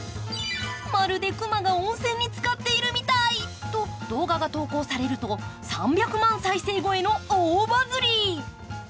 まるで熊が温泉につかっているみたいと動画が投稿されると３００万再生超えの大バズり。